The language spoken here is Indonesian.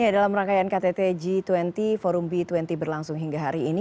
dalam rangkaian ktt g dua puluh forum b dua puluh berlangsung hingga hari ini